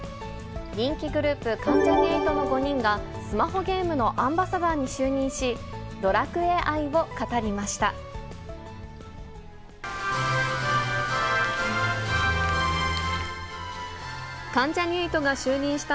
人気グループ、関ジャニ∞の５人が、スマホゲームのアンバサダーに就任し、ドラクエ愛を語りました。